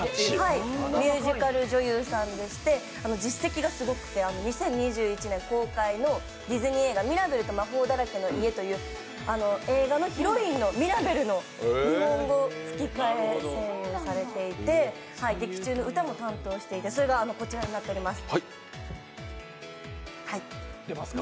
ミュージカル女優さんでして、実績がすごくて２０２１年公開のディズニー映画「ミラベルと魔法だらけの家」という映画のヒロインのヒロインのミラベルの日本版声優をされていて劇中の歌も担当していてそれがこちらになつております。